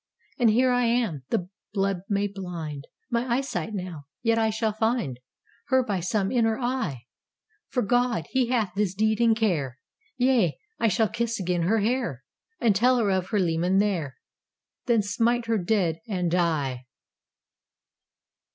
And here I am. The blood may blind My eyesight now ... yet I shall find Her by some inner eye! For God He hath this deed in care! Yea! I shall kiss again her hair, And tell her of her leman there, Then smite her dead and die.